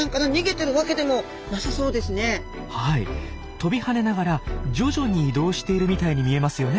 跳びはねながら徐々に移動しているみたいに見えますよね。